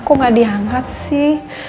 kok enggak diangkat sih